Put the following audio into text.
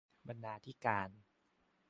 บรรณาธิการ